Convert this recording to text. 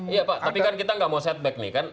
iya pak tapi kan kita nggak mau setback nih kan